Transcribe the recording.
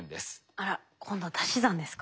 あらっ今度は足し算ですか。